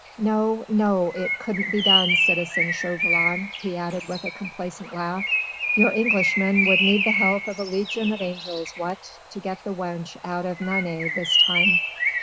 No! no! it couldn't be done, citizen Chauvelin," he added with a complacent laugh. "Your Englishman would need the help of a legion of angels, what? to get the wench out of Nantes this time."